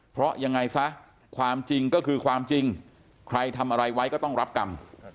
เพราะยังไงซะความจริงก็คือความจริงใครทำอะไรไว้ก็ต้องรับกรรม